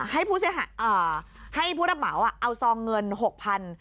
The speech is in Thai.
ให้ผู้เสียหายเอ่อให้ผู้รับเหมาเอาซองเงิน๖๐๐๐